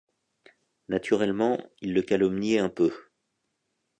Naturellement ils le calomniaient un peu.